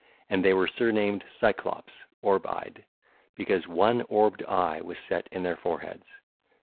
And they were surnamed Cyclopes (Orb eyed) because one orbed eye was set in their foreheads.